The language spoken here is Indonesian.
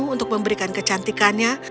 untuk memberikan kecantikannya